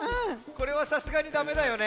これはさすがにダメだよね。